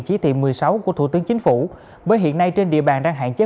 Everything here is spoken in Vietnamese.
chỉ thị một mươi sáu của thủ tướng chính phủ bởi hiện nay trên địa bàn đang hạn chế